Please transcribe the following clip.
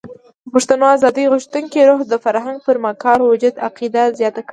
د پښتنو ازادي غوښتونکي روح د فرنګ پر مکار وجود عقیده زیاته کړه.